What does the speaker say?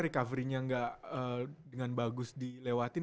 recovery nya nggak dengan bagus dilewatin